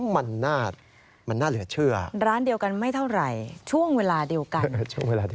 มันน่าเหลือเชื่อร้านเดียวกันไม่เท่าไหร่ช่วงเวลาเดียวกัน